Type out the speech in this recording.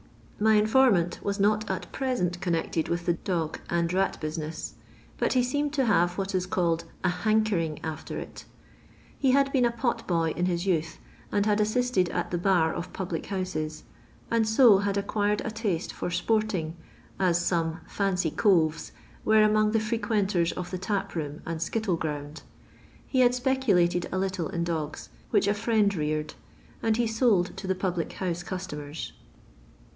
My informant was not at present connected with the dog and rat business, but he seemed to have what is called a " hankering after it." He had been a pot boy in bis youth, and had assisted at the bar of public houses, and so had acquired a taste for sporting, as some " fancy coves " were among the frequenters of the tap room and skittle ground. He had speculated a little in dogs, which a friend reared, sod he sold to the public house customers.